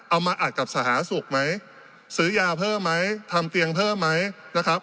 มาอัดกับสาธารณสุขไหมซื้อยาเพิ่มไหมทำเตียงเพิ่มไหมนะครับ